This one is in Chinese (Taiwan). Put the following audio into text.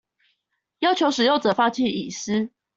要求使用者放棄隱私